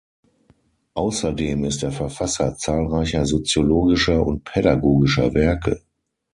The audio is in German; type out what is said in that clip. Außerdem ist er Verfasser zahlreicher soziologischer und pädagogischer Werke.